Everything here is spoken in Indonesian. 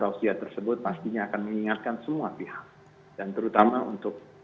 dan di dalam tausiah tersebut pastinya akan mengingatkan semua pihak dan terutama untuk